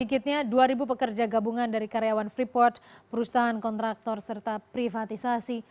sedikitnya dua pekerja gabungan dari karyawan freeport perusahaan kontraktor serta privatisasi